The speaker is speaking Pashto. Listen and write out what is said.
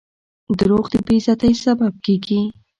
• دروغ د بې عزتۍ سبب کیږي.